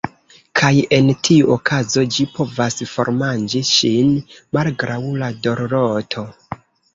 Kaj en tiu okazo ĝi povas formanĝi ŝin, malgraŭ la dorloto.